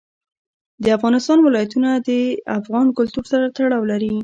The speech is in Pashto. د افغانستان ولايتونه د افغان کلتور سره تړاو لري.